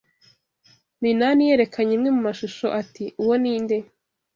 Minani yerekanye imwe mu mashusho ati: "Uwo ni nde?"